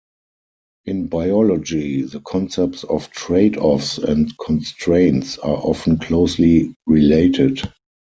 In biology, the concepts of tradeoffs and constraints are often closely related.